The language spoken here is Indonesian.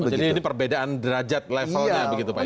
jadi ini perbedaan derajat levelnya begitu pak isan